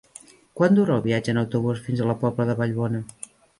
Quant dura el viatge en autobús fins a la Pobla de Vallbona?